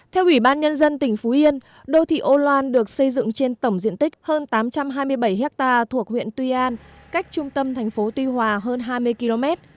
theo ủy ban nhân dân tỉnh phú yên đô thị âu loan được xây dựng trên tổng diện tích hơn tám trăm hai mươi bảy ha thuộc huyện tuy an cách trung tâm thành phố tuy hòa hơn hai mươi km